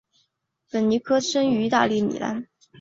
本尼迪克塔生于意大利米兰。